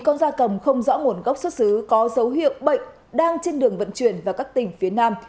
con da cầm không rõ nguồn gốc xuất xứ có dấu hiệu bệnh đang trên đường vận chuyển vào các tỉnh phía nam